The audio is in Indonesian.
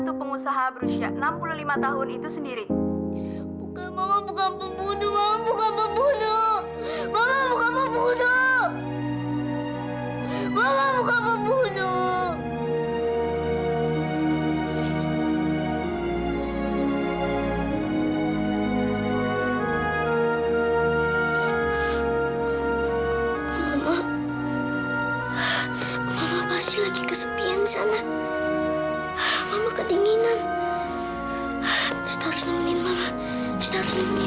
sita harus nemenin mama sita harus nemenin mama